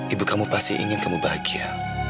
ibu kamu pasti ingin kamu bahagia